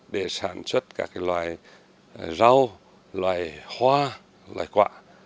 để sản xuất các loại rau loại hoa loại quạ